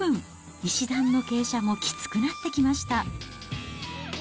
石段の傾斜もきつくなってきました。